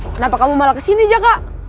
kenapa kamu malah kesini jaka